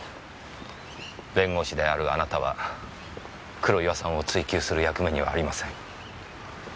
弁護士のあなたは黒岩さんを追求する役目にはありません。